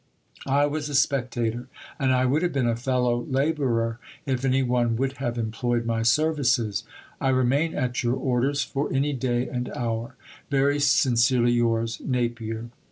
I was a spectator, and I would have been a fellow labourer if any one would have employed my services. I remain at your orders for any day and hour. Very sincerely yours, NAPIER.